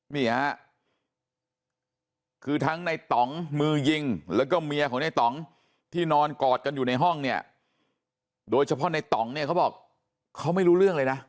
นี่ฮะคือทั้งในต่องมือยิงแล้วก็เมียของในต่องที่นอนกอดกันอยู่ในห้องเนี่ยโดยเฉพาะในต่องเนี่ยเขาบอกเขาไม่รู้เรื่องเลยนะ